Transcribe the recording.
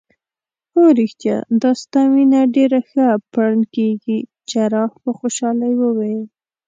هو ریښتیا دا ستا وینه ډیره ښه پرنډ کیږي. جراح په خوشحالۍ وویل.